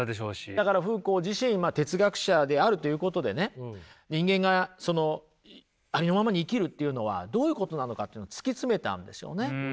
だからフーコー自身哲学者であるということでね人間がありのままに生きるというのはどういうことなのかというのを突き詰めたんですよね。